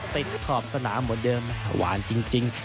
ขอบสนามเหมือนเดิมหวานจริง